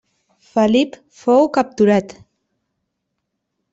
Felip fou capturat.